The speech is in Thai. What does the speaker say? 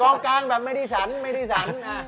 กองกางแบบไม่ได้สัน